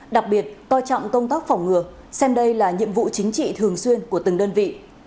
đặc biệt coi trọng công tác phòng ngừa xem đây là nhiệm vụ chính trị thường xuyên của từng đơn vị